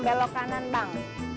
belok kanan bang